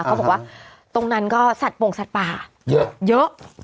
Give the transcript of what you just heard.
เขาบอกว่าตรงนั้นก็สัตว์ปงสัตว์ป่าเยอะ